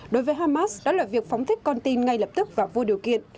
đối với hamas đó là việc phóng thích con tin ngay lập tức và vô điều kiện